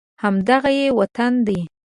همدغه یې وطن دی